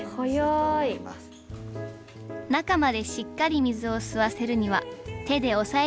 中までしっかり水を吸わせるには手で押さえつけないのがコツ。